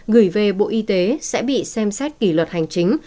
gửi về bộ y tế sẽ bị xem xét kỷ luật hành chính